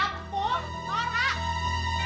dasar perempuan kampung